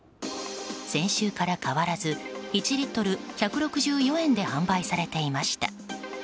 先週から変わらず１リットル１６４円で販売されていました。